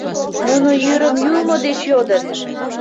Нуно йӱрым юмо деч йодыт.